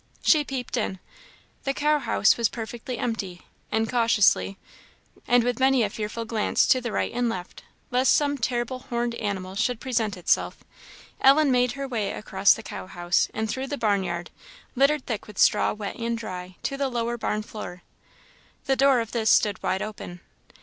She peeped in the cow house was perfectly empty; and cautiously, and with many a fearful glance to the right and left, lest some terrible horned animal should present itself, Ellen made her way across the cow house, and through the barn yard, littered thick with straw wet and dry, to the lower barn floor. The door of this stood wide open.